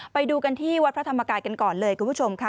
ไปดูกันที่วัดพระธรรมกายกันก่อนเลยคุณผู้ชมค่ะ